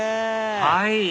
はい！